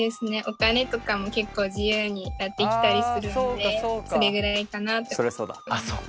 お金とかも結構自由になってきたりするんでそれぐらいかなって思います。